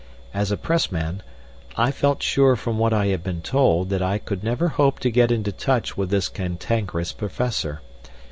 As a Pressman, I felt sure from what I had been told that I could never hope to get into touch with this cantankerous Professor.